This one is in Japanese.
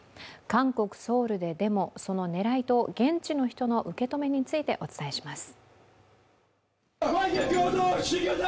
韓国ソウルでデモ、その狙いと現地の人の受け止めについてお伝えします。